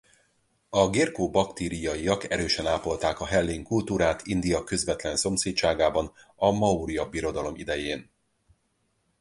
A gérko-baktriaiak erősen ápolták a hellén kultúrát India közvetlen szomszédságában a Maurja Birodalom idején.